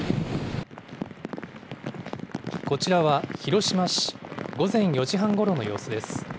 こちらは広島市、午前４時半ごろの様子です。